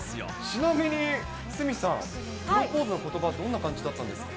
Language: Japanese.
ちなみに鷲見さん、プロポーズのことば、どんな感じだったんですか？